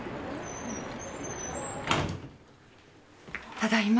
ただいま。